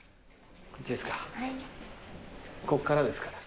こっからですから。